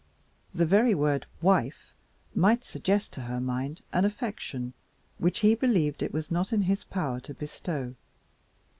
The very word "wife" might suggest to her mind an affection which he believed it was not in his power to bestow.